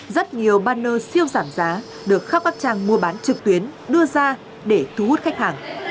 rất nhiều banner siêu giảm giá được khắp các trang mua bán trực tuyến đưa ra để thu hút khách hàng